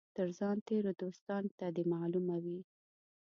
تر ځان تېرو دوستانو ته دي معلومه وي.